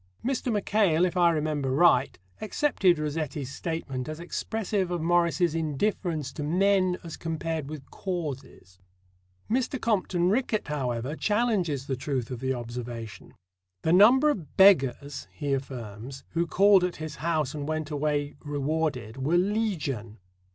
Mr. Mackail, if I remember right, accepted Rossetti's statement as expressive of Morris's indifference to men as compared with causes. Mr. Compton Rickett, however, challenges the truth of the observation. "The number of 'beggars,'" he affirms, "who called at his house and went away rewarded were legion."